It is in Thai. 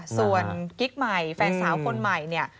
ส่วนกิ๊กใหม่แฟนสาวคนใหม่เนี่ย